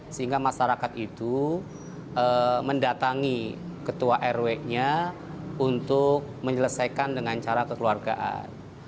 sehingga masyarakat itu mendatangi ketua rw nya untuk menyelesaikan dengan cara kekeluargaan